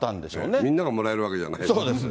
みんながもらえるわけじゃないですけど。